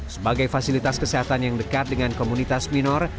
sebagai fasilitas kesehatan yang dekat dengan komunitas minor